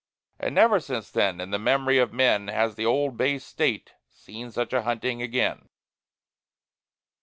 And never since then, in the memory of men, Has the Old Bay State seen such a hunting again.